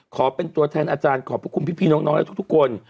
ขอเป็นตัวแทนอาจารย์ขอบพระคุณพี่น้องและทุกคน